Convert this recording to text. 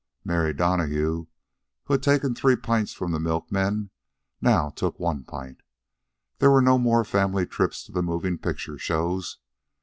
Mary Donahue, who had taken three pints from the milkman, now took one pint. There were no more family trips to the moving picture shows.